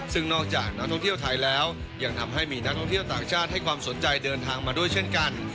ซึ่งนอกจากนักท่องเที่ยวไทยแล้วยังทำให้มีนักท่องเที่ยวต่างชาติให้ความสนใจเดินทางมาด้วยเช่นกัน